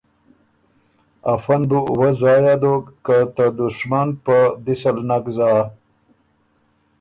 افۀ ن بُو وۀ ضائع دوک که ته دُشمن په دِس ال نک زا